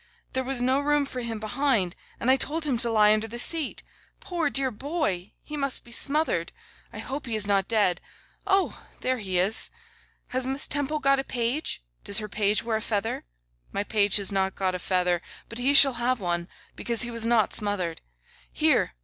There was no room for him behind, and I told him to lie under the seat. Poor dear boy! He must be smothered. I hope he is not dead. Oh! there he is. Has Miss Temple got a page? Does her page wear a feather? My page has not got a feather, but he shall have one, because he was not smothered. Here!